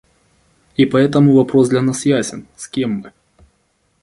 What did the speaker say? И поэтому вопрос для нас ясен: с кем мы?